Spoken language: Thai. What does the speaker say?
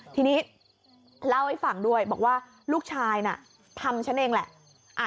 ทีนี้เล่าให้ฟังด้วยบอกว่าลูกชายน่ะทำฉันเองแหละ